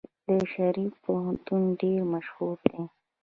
د شریف پوهنتون ډیر مشهور دی.